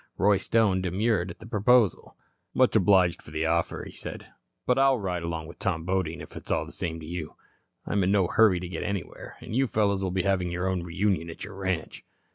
Roy Stone demurred at the proposal. "Much obliged for the offer," he said, "but I'll ride along with Tom Bodine, if it's all the same to you. I'm in no hurry to get anywhere, and you fellows will be having your own reunion at your ranch.